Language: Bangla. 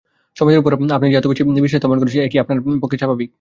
সমাজের উপর আপনি যে এত বেশি বিশ্বাস স্থাপন করেছেন এ কি আপনার পক্ষে স্বাভাবিক?